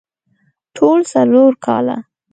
ټول څلور کاله